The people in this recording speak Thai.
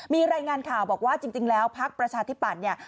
มีรายงานข่าวบอกว่าจริงแล้วพักประชาธิปัตย์เนี่ย